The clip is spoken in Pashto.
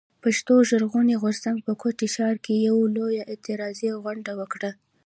پښتون ژغورني غورځنګ په کوټه ښار کښي يوه لويه اعتراضي غونډه وکړه.